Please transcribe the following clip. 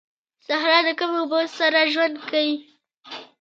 صحرا د کمو اوبو سره ژوند کوي